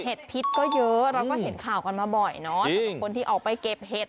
พิษก็เยอะเราก็เห็นข่าวกันมาบ่อยเนอะสำหรับคนที่ออกไปเก็บเห็ด